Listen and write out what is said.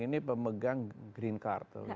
ini pemegang green card